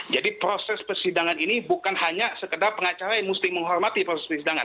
jadi proses persidangan ini bukan hanya sekedar pengacara yang mesti menghormati proses persidangan